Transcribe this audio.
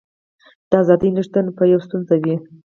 د ازادۍ نشتون به یوه ستونزه وي.